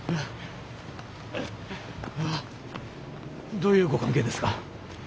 どういうご関係ですか？